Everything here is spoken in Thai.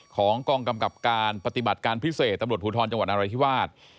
ของกองกำกับการปฏิบัติการพิเศษ